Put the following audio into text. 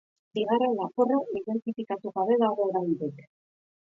Bigarren lapurra identifikatu gabe dago oraindik.